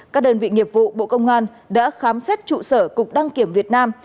các đơn vị nghiệp vụ bộ công an đã khám xét trụ sở cục đăng kiểm việt nam